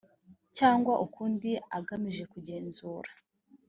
cyangwa ukundi agamije kugenzura